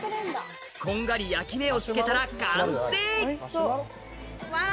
こんがり焼き目をつけたら完成うわ！